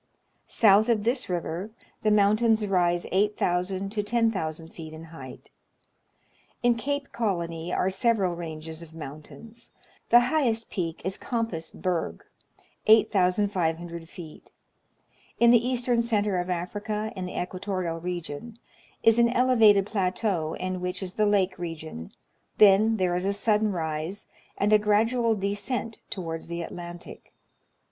South of this river the mountains rise 8,000 to 10,000 feet in height. In Cape Colony are several ranges of mountains. The highest peak is Compas Berg, 8,500 feet. In the eastern center of Africa, in the equatorial region, is an elevated plateau in which is the lake region, then there is a sudden rise, and a gradual descent towards the Atlantic.